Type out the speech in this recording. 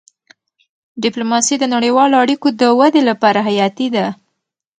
ډيپلوماسي د نړیوالو اړیکو د ودي لپاره حیاتي ده.